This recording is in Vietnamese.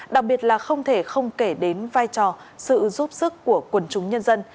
đặc biệt là không thể không kể đến vai trò sự giúp sức của quần chúng nhân dân